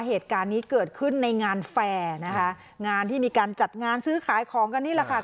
เหตุการณ์นี้เกิดขึ้นในงานแฟร์นะคะงานที่มีการจัดงานซื้อขายของกันนี่แหละค่ะ